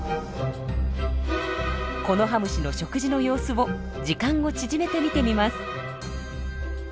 コノハムシの食事の様子を時間を縮めて見てみます。